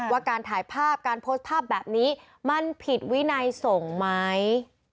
ว่าการถ่ายภาพการโพสต์ภาพแบบนี้มันผิดวินัยส่งไหม